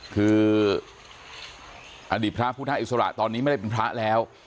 คืออดีตพระพุทธอิสระตอนนี้ไม่ได้เป็นพระแล้ว